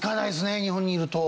日本にいると。